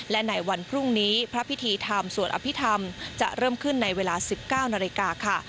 และในวันพรุ่งนี้พระพิธีธรรมสวดอภิษฐรรมจะเริ่มขึ้นในเวลา๑๙นาฬิกาค่ะ